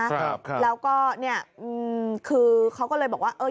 ครับครับแล้วก็เนี้ยอืมคือเขาก็เลยบอกว่าเออ